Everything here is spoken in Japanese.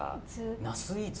ナスイーツ？